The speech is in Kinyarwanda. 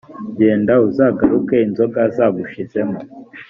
n genda uzagaruke inzoga zagushizemo